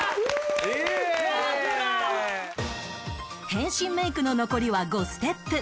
変身メイクの残りは５ステップ